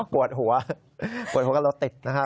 ปวดหัวปวดเพราะเราติดนะครับ